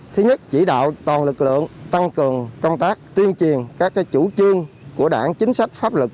thứ nhất chỉ đạo toàn lực lượng tăng cường công tác tuyên truyền các chủ trương của đảng chính sách pháp luật